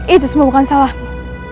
itu semua bukan salahmu